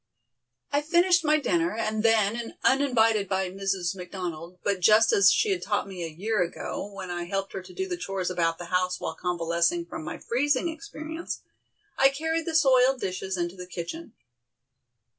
I finished my dinner, and then, uninvited by Mrs. McDonald, but just as she had taught me a year ago, when I helped her to do the chores about the house while convalescing from my freezing experience, I carried the soiled dishes into the kitchen.